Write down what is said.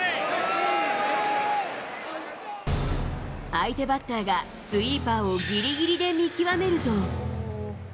相手バッターがスイーパーをぎりぎりで見極めると。